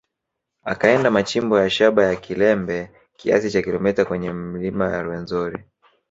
Akaenda machimbo ya shaba ya Kilembe kiasi cha kilometa kwenye milima ya Ruwenzori